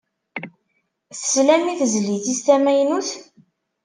Teslam i tezlit-is tamaynut?